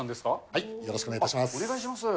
はい、よろしくお願いいたしお願いします。